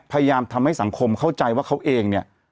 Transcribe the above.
พยายามทำให้สังคมเข้าใจว่าเขาเองเนี่ย